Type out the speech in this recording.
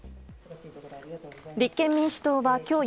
立憲民主党は今日